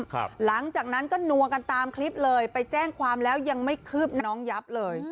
หลังจากนั้นก็นัวกันตามคลิปเลยไปแจ้งความแล้วยังไม่คืบน้องยับเลย